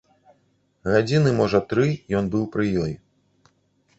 Гадзіны, можа, тры ён быў пры ёй.